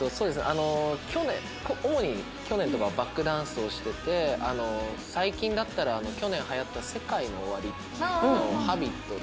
あの去年主に去年とかはバックダンスをしてて最近だったら去年はやったＳＥＫＡＩＮＯＯＷＡＲＩの『Ｈａｂｉｔ』っていう曲。